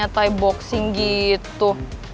tai boxing gitu